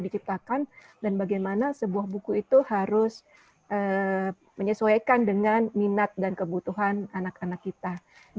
diciptakan dan bagaimana sebuah buku itu harus menyesuaikan dengan minat dan kebutuhan anak anak kita